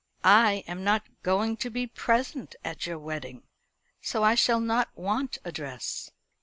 "I am not going to be present at your wedding, so I shall not want a dress."